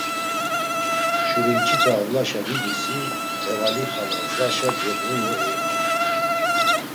Şurimç̌ipe avlaşa vidisi Hevali xala gzaşa cebğumu eiğamt̆u.